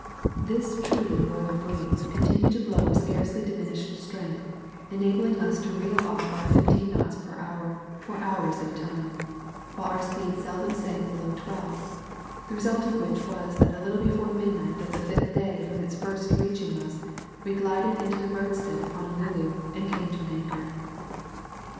This truly royal breeze continued to blow with scarcely diminished strength, enabling us to reel off our fifteen knots per hour for hours at a time, while our speed seldom sank below twelve; the result of which was that a little before midnight of the fifth day from its first reaching us we glided into the roadstead of Honolulu, and came to an anchor.